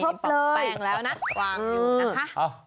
มีกระป๋องแป้งแล้วนะวางอยู่นะคะ